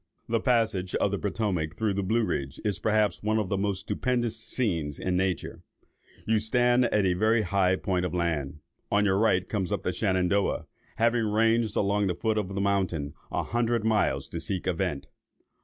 "The passage of the Potomac through the Blue Ridge, is, perhaps, one of the most stupendous scenes in nature. You stand on a very high point of land; on your right comes up the Shenandoah, having ranged along the foot of the mountain a hundred miles to seek a vent.